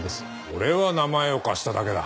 俺は名前を貸しただけだ。